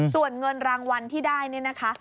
ส่วนเงินรางวัลที่ได้นี่นะคะ